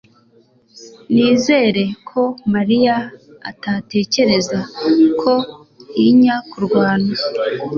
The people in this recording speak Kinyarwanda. Nizere ko mariya atatekereza ko ntinya kurwana